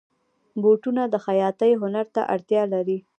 بوټونه د خیاطۍ هنر ته اړتیا لري.